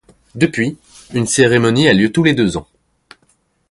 Depuis, une cérémonie a lieu tous les deux ans.